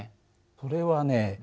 それはね